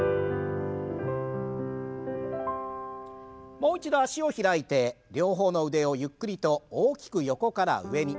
もう一度脚を開いて両方の腕をゆっくりと大きく横から上に。